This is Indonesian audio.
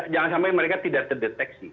jangan sampai mereka tidak terdeteksi